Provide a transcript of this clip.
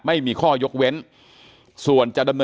ไม่มีข้อยกเว้น